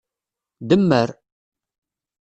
Demmer!